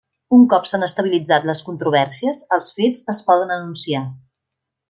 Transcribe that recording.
Un cop s'han estabilitzat les controvèrsies, els fets es poden enunciar.